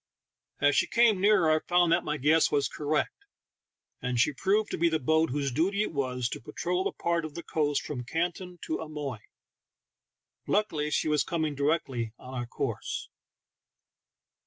As she came nearer I found that my guess was cor rect, and she proved to be the boat whose duty it was to patrol the part of the coast from Canton to Amoy. Luckily she was coming directly on our course.